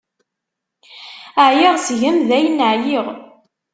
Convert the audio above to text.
Ɛyiɣ seg-m, dayen ɛyiɣ.